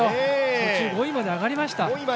途中５位まで上がりました。